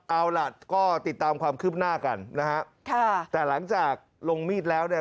เอาล่ะก็ติดตามความคืบหน้ากันนะฮะค่ะแต่หลังจากลงมีดแล้วเนี่ย